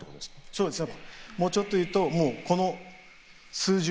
そうですか。